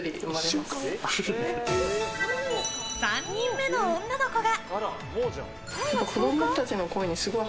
３人目の女の子が！